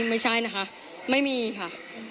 ไม่ใช่นะคะไม่มีค่ะ